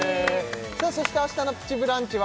さあそして明日の「プチブランチ」は？